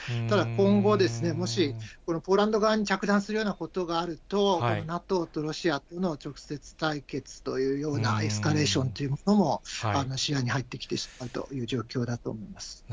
ただ、今後、もしこのポーランド側に着弾するようなことがあると、ＮＡＴＯとロシアの直接対決というようなエスカレーションというものも視野に入ってきてしまうという状況だと思います。